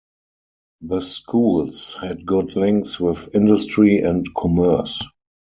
The schools had good links with industry and commerce.